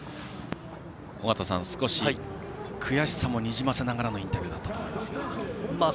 尾方さん、少し悔しさもにじませながらのインタビューだったと思いますが。